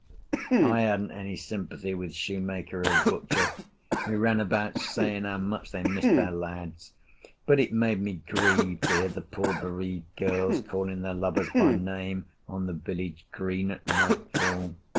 I hadn't any sympathy with shoemaker or butcher, who ran about saying how much they missed their lads, but it made me grieve to hear the poor bereaved girls calling their lovers by name on the village green at nightfall.